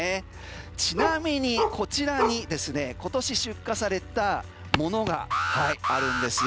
ちなみにこちらに今年出荷されたものがあるんです。